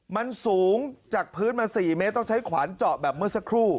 มันสูงจากพื้นมา๔เมตรต้องใช้ขวานเจาะแบบเมื่อสักครู่